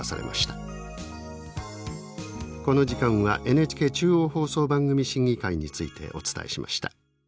この時間はＮＨＫ中央放送番組審議会についてお伝えしました。